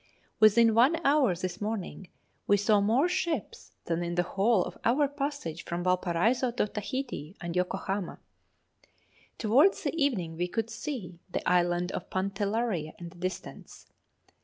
Within one hour this morning, we saw more ships than in the whole of our passage from Valparaiso to Tahiti and Yokohama. Towards the evening we could see the island of Pantellaria in the distance.